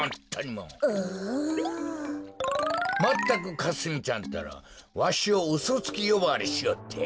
まったくかすみちゃんったらわしをうそつきよばわりしおって。